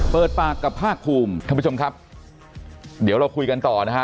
เปิดปากกับภาคภูมิท่านผู้ชมครับเดี๋ยวเราคุยกันต่อนะฮะ